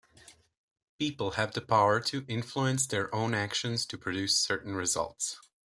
People have the power to influence their own actions to produce certain results.